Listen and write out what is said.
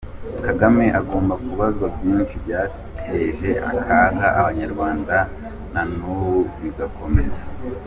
Kagame agomba kubazwa byinshi byateje akaga abanyarwanda na n’ubu bigikomeza